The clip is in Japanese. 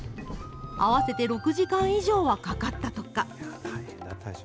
合わせて６時間以上はかかったとか。